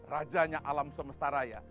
rajanya alam semesta raya